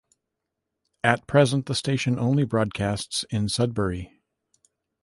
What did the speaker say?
At present, the station only broadcasts in Sudbury.